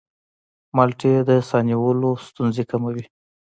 مالټې د ساه نیولو ستونزې کموي.